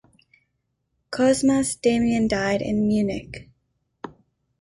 Cosmas Damian died in Munich.